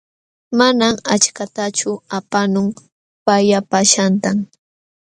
Manam achkatachu apaamun pallapaqllaśhqantam.